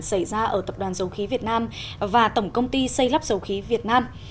xảy ra ở tập đoàn dầu khí việt nam và tổng công ty xây lắp dầu khí việt nam